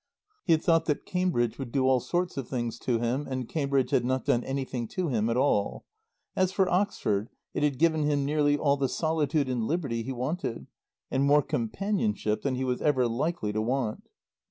He had thought that Cambridge would do all sorts of things to him, and Cambridge had not done anything to him at all. As for Oxford, it had given him nearly all the solitude and liberty he wanted, and more companionship than he was ever likely to want.